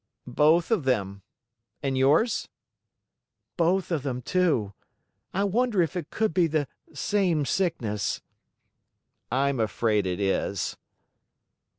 "Both of them. And yours?" "Both of them, too. I wonder if it could be the same sickness." "I'm afraid it is."